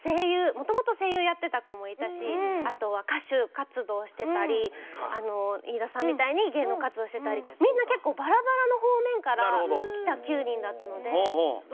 もともと声優やってた子もいたしあとは歌手活動してたり飯田さんみたいに芸能活動してたりみんな結構バラバラの方面から来た９人だったのでみたいな感じで。